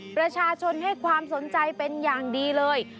ประชาชนให้ความสนใจเป็นอย่างดีเลย